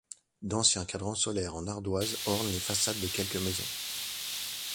D'anciens cadrans solaires en ardoise ornent les façades de quelques maisons.